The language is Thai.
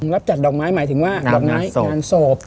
รับจัดดอกไม้หมายถึงว่างานสบ